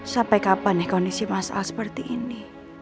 sampai kapan ya kondisi masal seperti ini